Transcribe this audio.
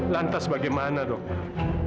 lantas bagaimana dokter